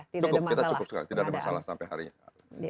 cukup kita cukup sekali tidak ada masalah sampai hari ini